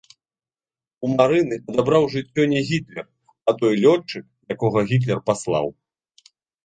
- У Марыны адабраў жыццё не Гiтлер, а той лётчык, якога Гiтлер паслаў.